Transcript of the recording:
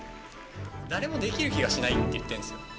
誰もできる気がしないって言ってるんですよ。